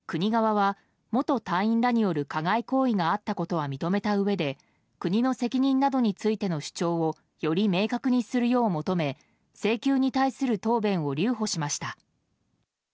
一方、国側は元隊員らによる加害行為があったことは認めたうえで国の責任などについての主張をより明確にするよう求め請求に対する答弁を留保しました。